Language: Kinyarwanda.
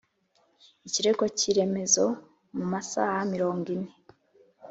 Ikirego cy iremezo mu masaha mirongo ine